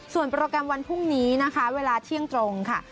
ส่วนโปรแกรมวันพรุ่งนี้นะคะเวลาเที่ยงตรงค่ะ